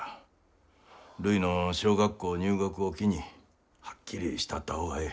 るいの小学校入学を機にはっきりしたった方がええ。